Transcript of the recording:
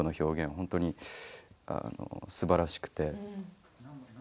本当にすばらしくて。